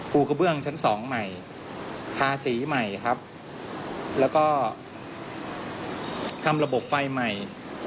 กระเบื้องชั้นสองใหม่ทาสีใหม่ครับแล้วก็ทำระบบไฟใหม่